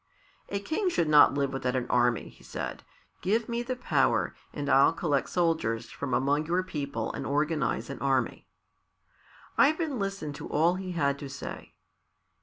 "A king should not live without an army," he said. "Give me the power, and I'll collect soldiers from among your people and organize an army." Ivan listened to all he had to say.